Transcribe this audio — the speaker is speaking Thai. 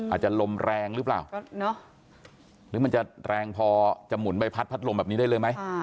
อาจจะลมแรงหรือเปล่าหรือมันจะแรงพอจะหมุนใบพัดพัดลมแบบนี้ได้เลยไหม